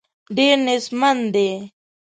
ډېر نېستمن دي.